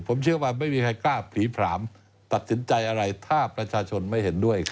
ผมเชื่อว่าไม่มีใครกล้าผีผลามตัดสินใจอะไรถ้าประชาชนไม่เห็นด้วย